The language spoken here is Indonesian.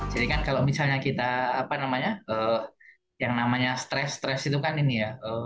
jadi kan kalau misalnya kita apa namanya yang namanya stres stres itu kan ini ya